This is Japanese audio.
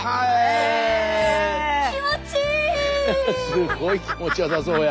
すごい気持ちよさそうや。